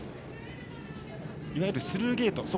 いわゆるスルーゲート